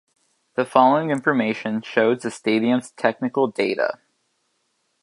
The following information shows the stadium's technical data.